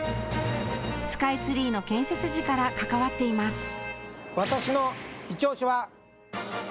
スカイツリーの建設時から関わっています。